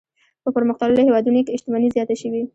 په پرمختللو هېوادونو کې شتمني زیاته شوې.